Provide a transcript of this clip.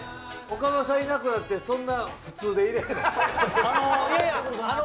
岡村さんいなくなって、そんな普通でいれるの？